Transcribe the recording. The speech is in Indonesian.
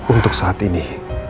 untuk saat ini